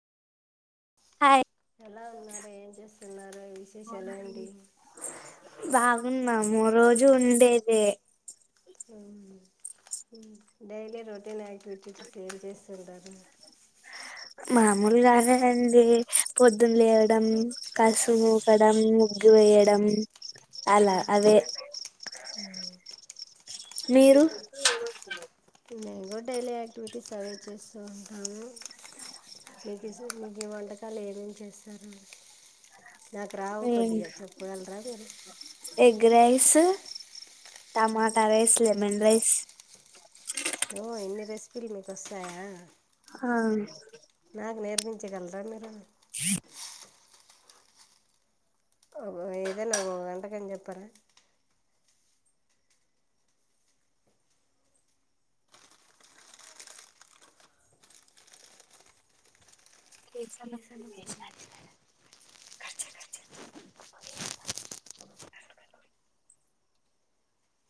hi ఎలా ఉన్నారు ఏం చేస్తున్నారు విశేషాలు ఏంటి బాగున్నాము రోజు ఉండేదే ఉమ్ డైలీ రొటీన్ యాక్టివిటీస్ ఎమ్ చేస్తుంటారు మామూలు గా అదేయండి పొద్దున లేవడం కసువ్ ఊకడం ముగ్గి వేయడం అలా అవే ఉమ్ మీరు నేను కూడా డైలీ యాక్టివిటీస్ అవే చేస్తూ ఉంటాను మీగిసు మీకు వంటకాలు ఏమేమి చేస్తారు నాకు రావు కొద్దిగా చెప్పగలరా మీరు ఎగ్రైస్ శు టమాటా రైస్ లెమన్ రైస్ ఓ ఇన్ని రెసిపీలు నీకు వస్తాయా ఆ నాకు నేర్పించగలరా మీరు ఇ ఇదేనా వంటకం చెప్పారా ఏ సన [inaudible]